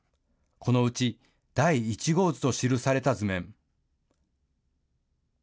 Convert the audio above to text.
このうち、第一号図と記された図面。